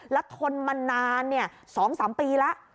แล้วทนมานาน๒๓ปีแล้ว